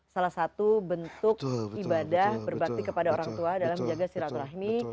salah satu bentuk ibadah berbakti kepada orang tua dalam menjaga silaturahmi